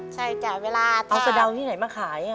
ใช่จ้ะเวลาเอาสะเดาที่ไหนมาขาย